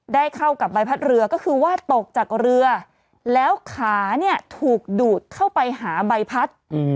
ได้เข้ากับใบพัดเรือก็คือว่าตกจากเรือแล้วขาเนี่ยถูกดูดเข้าไปหาใบพัด